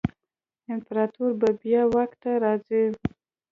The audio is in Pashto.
امپراتور به بیا واک ته راځي.